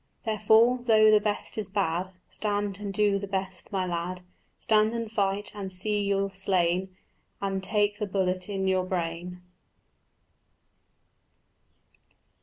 "Therefore, though the best is bad, Stand and do the best my lad; Stand and fight and see your slain, And take the bullet in your brain."